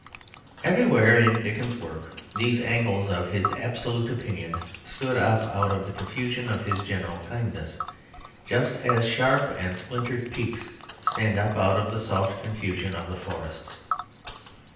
Everywhere in Dickens's work these angles of his absolute opinion stood up out of the confusion of his general kindness, just as sharp and splintered peaks stand up out of the soft confusion of the forests.